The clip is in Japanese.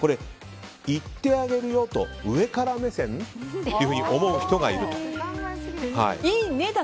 行ってあげるよと上から目線？と思う人がいると。